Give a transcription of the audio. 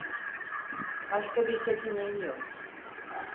Başka bir seçeneğim yok.